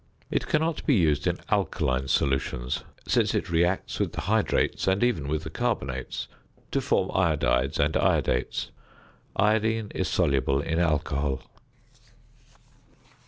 It cannot be used in alkaline solutions, since it reacts with the hydrates, and even with the carbonates, to form iodides and iodates. Iodine is soluble in alcohol.